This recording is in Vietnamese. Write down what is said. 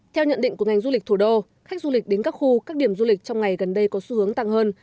theo nhận định của ngành du lịch thủ đô khách du lịch đến các khu các điểm du lịch trong ngày gần đây có xu hướng tăng hơn